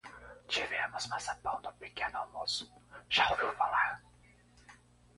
Tivemos maçapão no pequeno almoço. Já ouviu falar?